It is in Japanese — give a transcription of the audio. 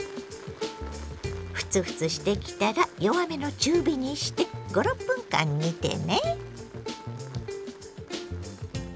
フツフツしてきたら弱めの中火にして５６分間煮てね。